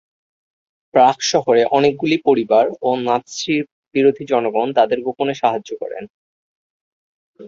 প্রাগ শহরে অনেকগুলি পরিবার ও নাৎসি বিরোধী জনগণ তাদের গোপনে সাহায্য করেন।